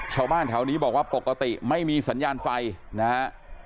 ชาวบ้านแถวนี้บอกว่าปกติไม่มีสัญญาณไฟนะฮะ